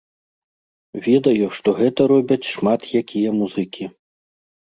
Ведаю, што гэта робяць шмат якія музыкі.